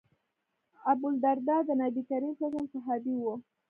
ابوالدرداء د نبي کریم ص صحابي و.